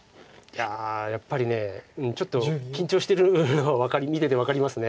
いややっぱりちょっと緊張してるのは見てて分かります。